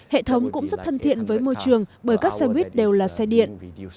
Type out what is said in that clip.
hệ thống cũng rất thân thiện với môi trường bởi các xe buýt đều là xe điện